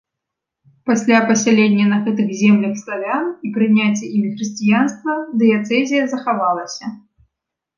Пасля пасялення на гэтых землях славян і прыняцця імі хрысціянства дыяцэзія захавалася.